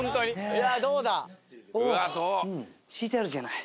いや敷いてあるじゃない。